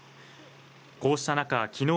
こうした中きのう